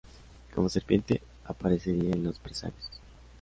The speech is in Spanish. Como serpiente aparecería en los presagios.